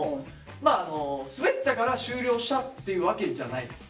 まあスベったから終了したっていうわけじゃないです。